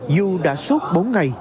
dù đã sốt bốn ngày